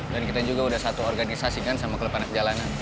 dan kita juga udah satu organisasi kan sama klub anak jalanan